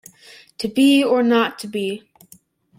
To be or not to be